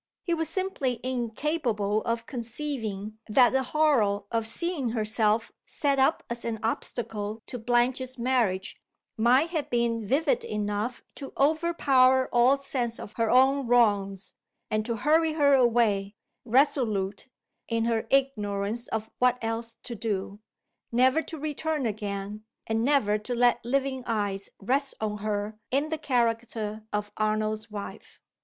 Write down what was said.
He was simply incapable of conceiving that the horror of seeing herself set up as an obstacle to Blanche's marriage might have been vivid enough to overpower all sense of her own wrongs, and to hurry her away, resolute, in her ignorance of what else to do, never to return again, and never to let living eyes rest on her in the character of Arnold's wife.